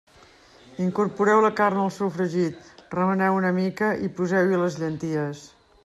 Incorporeu la carn al sofregit, remeneu una mica i poseu-hi les llenties.